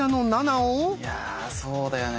いやそうだよね